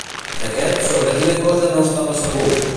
Aquest, sobre quina cosa no estava segur?